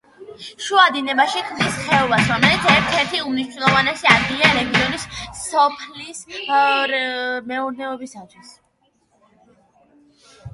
შუა დინებაში ქმნის ხეობას, რომელიც ერთ-ერთი უმნიშვნელოვანესი ადგილია რეგიონის სოფლის მეურნეობისათვის.